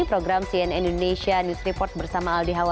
program cnn indonesia news report bersama aldi hawa